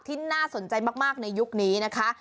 ที่น่าสนใจมากในยุคนี้นะคะ